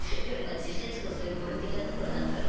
実際ちょっとそういう暴力的なところがあったので。